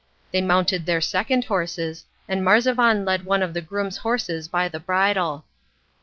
They mounted their second horses, and Marzavan led one of the grooms' horses by the bridle.